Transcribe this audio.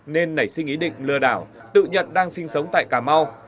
nên nảy sinh ý định lừa đảo tự nhận đang sinh sống tại cà mau